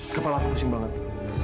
kepalaku pusing banget